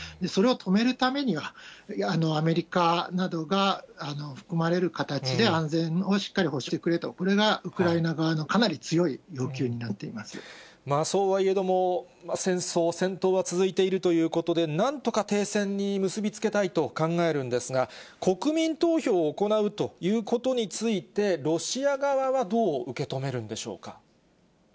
それを止めるためには、アメリカなどが含まれる形で、安全をしっかり保証してくれと、これがウクライナ側のかなり強いそうはいえども、戦争、戦闘は続いているということで、なんとか停戦に結び付けたいと考えるんですが、国民投票を行うということについて、ロシア側はどう受け止めるんでしょうか。